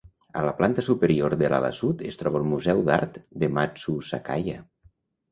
A la planta superior de l'ala sud es troba el Museu d'Art de Matsuzakaya.